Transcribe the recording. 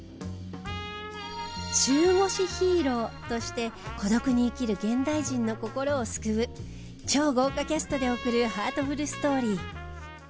中腰ヒーローとして孤独に生きる現代人の心を救う超豪華キャストで送るハートフルストーリー。